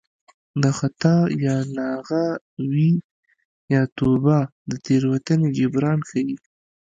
د خطا یا ناغه وي یا توبه د تېروتنې جبران ښيي